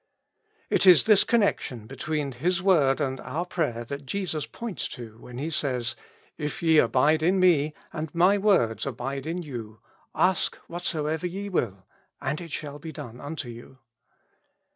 It is this connection between His word and our prayer that Jesus points to when He says, " If ye abide in me, and my words abide in you, ask whatso ever ye will, and it shall be done unto you."